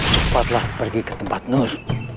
cepatlah pergi ke tempat nur